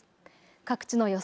各地の予想